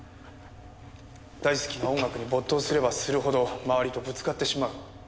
大好きな音楽に没頭すればするほど周りとぶつかってしまう。